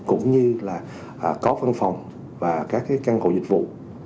cũng như là có văn phòng và các căn hộ dịch vụ